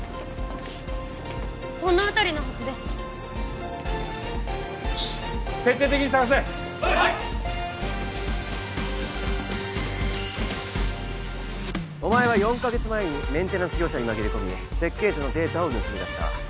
この辺りのはずですお前は４か月前にメンテナンス業者に紛れ込み設計図のデータを盗み出した。